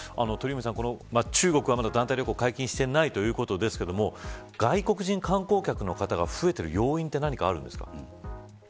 中国は団体旅行解禁していないということですが外国人観光客が増えている要因は何ですか。